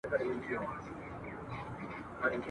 زما مي د سفر نیلی تیار دی بیا به نه وینو ..